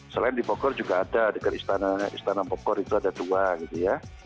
selain di pokor juga ada dekat istana istana pokor itu ada dua gitu ya